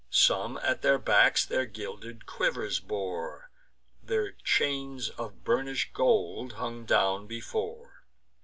Some at their backs their gilded quivers bore; Their chains of burnish'd gold hung down before.